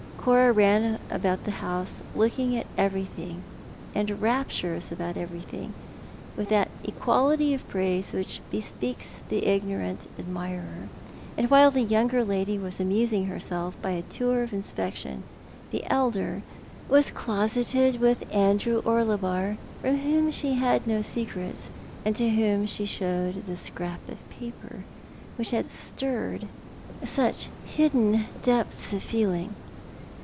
Cora ran about the house looking at everything, and rapturous about everything, with that equality of praise which bespeaks the ignorant admirer; and while the younger lady was amusing herself by a tour of insjiection the elder was closeted with Andrew Orlebar, from whom slie had no secrets, and to whom she showed the scrap of paper which had stirred such hidden depths of feeling.